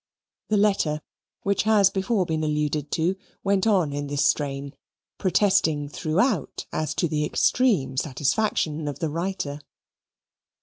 The letter, which has been before alluded to, went on in this strain, protesting throughout as to the extreme satisfaction of the writer.